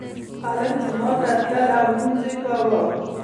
خلک جومات ته تلل او لمونځ یې کاوه.